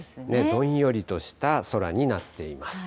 どんよりとした空になっています。